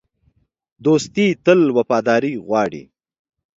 دوستي تل وفاداري غواړي.